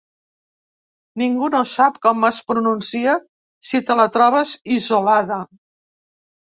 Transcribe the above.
Ningú no sap com es pronuncia si te la trobes isolada.